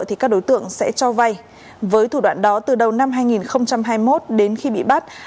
thì các đối tượng sẽ cho vay với thủ đoạn đó từ đầu năm hai nghìn hai mươi một đến khi bị bắt